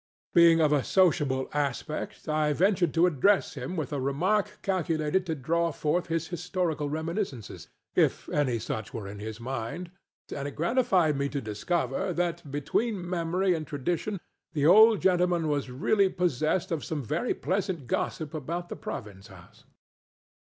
Being of a sociable aspect, I ventured to address him with a remark calculated to draw forth his historical reminiscences, if any such were in his mind, and it gratified me to discover that, between memory and tradition, the old gentleman was really possessed of some very pleasant gossip about the Province House.